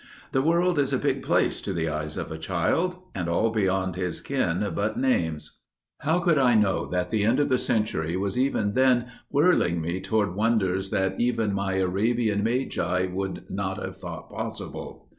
The world is a big place to the eyes of a child, and all beyond his ken but names. How could I know that the end of the century was even then whirling me toward wonders that even my Arabian Magi would not have thought possible?